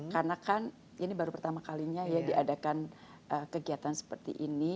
karena kan ini baru pertama kalinya ya diadakan kegiatan seperti ini